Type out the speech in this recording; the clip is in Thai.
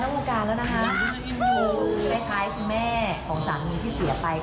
ดูได้คล้ายให้คุณแม่ครองสามีที่เสียไป